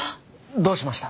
どうしました？